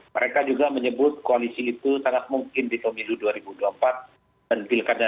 mereka juga menyebut koalisi itu sangat mungkin di komilu dua ribu dua puluh empat dan pilkada dua ribu dua puluh empat